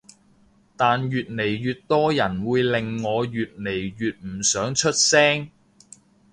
但越嚟越多人會令我越嚟越唔想出聲